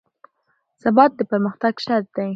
ثبات د پرمختګ شرط دی